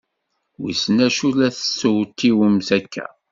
Wissen acu la testewtiwemt akka!